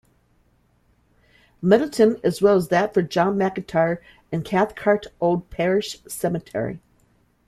Middleton, as well as that for John McIntyre in Cathcart Old Parish Cemetery.